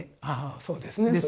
ああそうですね。